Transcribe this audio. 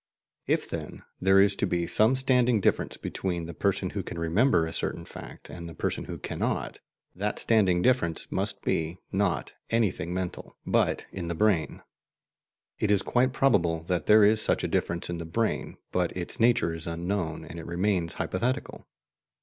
If, then, there is to be some standing difference between the person who can remember a certain fact and the person who cannot, that standing difference must be, not in anything mental, but in the brain. It is quite probable that there is such a difference in the brain, but its nature is unknown and it remains hypothetical.